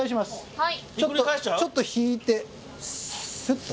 はい。